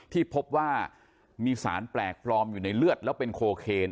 ที่พบว่ามีสารแปลกปลอมอยู่ในเลือดแล้วเป็นโคเคน